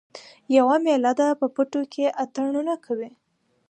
یوه میله ده په پټو کې اتڼونه کوي